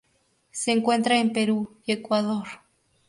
Se encuentra en Perú y Ecuador.